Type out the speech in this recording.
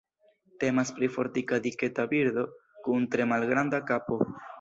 Temas pri fortika diketa birdo kun tre malgranda kapo.